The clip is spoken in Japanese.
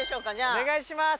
お願いします。